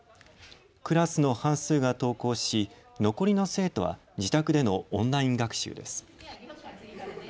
クラスの半数が登校し残りの生徒は自宅でのオンライン学習です。